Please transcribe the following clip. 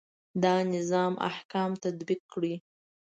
دا نظام احکام تطبیق کړي.